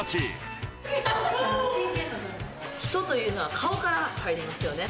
人というのは顔から入りますよね。